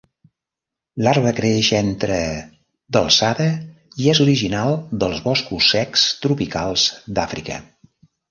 L'arbre creix entre (...) d'alçada i és originari dels boscos secs tropicals d'Àfrica.